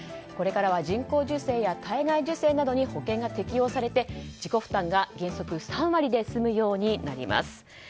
これからは人工授精や体外受精などに保険が適用されて自己負担が原則３割で済むようになります。